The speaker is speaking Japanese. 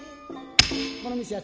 「この店や。